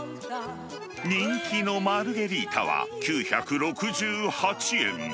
人気のマルゲリータは、９６８円。